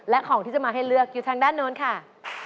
และของที่จะมาให้เลือกอยู่ทางด้านโน้นค่ะ